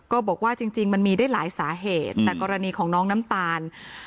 ก็บอกว่าจริงมันมีได้หลายสาเหตุแต่กรณีของน้องน้ำตาล